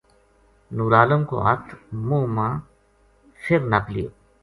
نورعالم کو ہتھ منہ ما فر نپ لیو